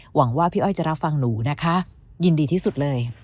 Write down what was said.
หวังว่าพี่อ้อยจะรับฟังหนูนะคะยินดีที่สุดเลย